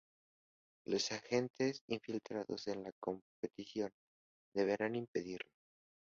Los agentes, infiltrados en la competición, deberán impedirlo.